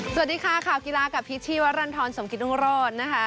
สวัสดีค่ะข่าวกีฬากับพีชชีวรรณฑรสมกิตรุงโรธนะคะ